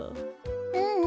ううん。